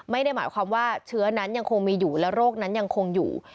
ไม่ได้หมายความว่าเชื้อนั้นยังคงมีอยู่และโรคนั้นยังคงอยู่